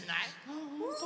あほんと。